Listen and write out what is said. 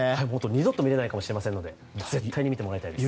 二度と見られないかもしれませんので絶対見てもらいたいです。